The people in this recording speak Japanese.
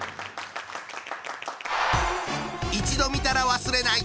一度見たら忘れない